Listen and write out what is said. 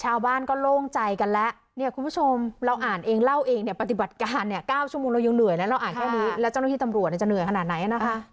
ชาวบ้านก็โล่งใจกันแล้วเนี่ยคุณผู้ชมเราอ่านเองเล่าเองเนี่ยปฏิบัติการเนี่ย๙ชั่วโมงเรายังเหนื่อยนะเราอ่านแค่นี้แล้วเจ้าหน้าที่ตำรวจเนี่ยจะเหนื่อยขนาดไหนนะคะ